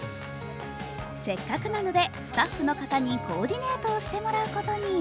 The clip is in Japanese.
せっかくなのでスタッフの方にコーディネートをしてもらうことに。